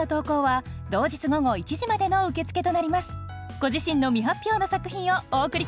ご自身の未発表の作品をお送り下さい。